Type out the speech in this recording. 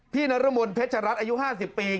พี่นรมนศ์เพชรรัฐอายุ๕๐ปี